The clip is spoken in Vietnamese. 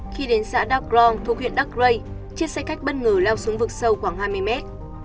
khi đến xã đắk rong thuộc huyện đắc rây chiếc xe khách bất ngờ lao xuống vực sâu khoảng hai mươi mét